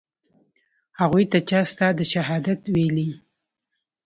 هغوى ته چا ستا د شهادت ويلي.